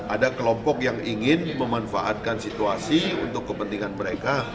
ada kelompok yang ingin memanfaatkan situasi untuk kepentingan mereka